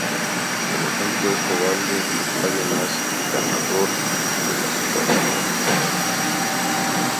Por lo tanto, es probable que pague más ganador de la subasta.